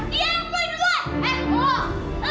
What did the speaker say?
dia yang pilih gua eh gua